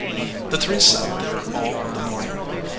The three sat there all the morning.